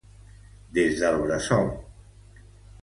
Des del bressol.